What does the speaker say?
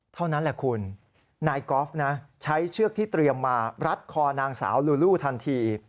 เท่านั้นแหละคุณนายกอล์ฟนะใช้เชือกที่เตรียมมารัดคอนางสาวลูลูทันที